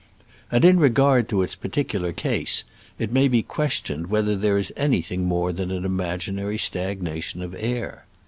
And in regard to its particular case it may be questioned whether there is anything more than an imaginary stagnation of air.